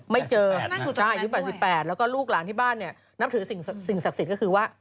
ไม่เจอชายอายุ๘๘แล้วก็ลูกหลานที่บ้านเนี่ยนับถือสิ่งศักดิ์สิทธิ์ก็คือว่า